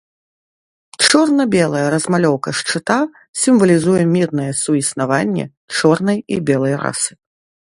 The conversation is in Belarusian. Чорна-белая размалёўка шчыта сімвалізуе мірнае суіснаванне чорнай і белай расы.